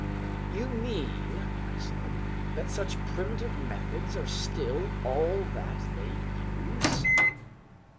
"You mean," I said, "that such primitive methods are still all that they use?"